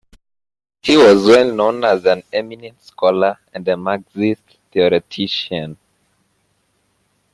He was well known as an eminent scholar and a Marxist theoretician.